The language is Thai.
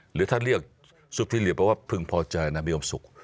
หรือถ้าเรียกสุขที่เหลือแปลว่าพึงพอใจนะมีความสุข